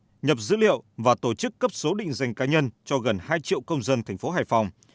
thu thập nhập dữ liệu và tổ chức cấp số định dành cá nhân cho gần hai triệu công dân thành phố hải phòng